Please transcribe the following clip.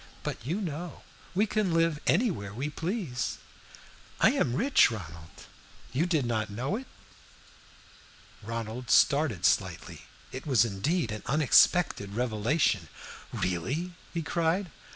But, you know, we can live anywhere we please. I am rich, Ronald you did not know it?" Ronald started slightly. It was indeed an unexpected revelation. "Really?" he cried.